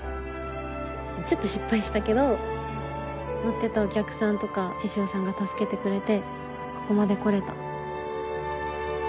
ちょっと失敗したけど乗ってたお客さんとか獅子王さんが助けてくれてここまで来れた。